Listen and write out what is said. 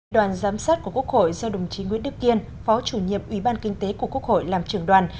đoàn giám sát của quốc hội do đồng chí nguyễn đức kiên phó chủ nhiệm ủy ban kinh tế của quốc hội làm trưởng đoàn